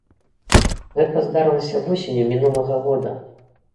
Гэта здарылася восенню мінулага года.